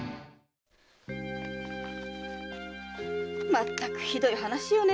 まったくひどい話よね。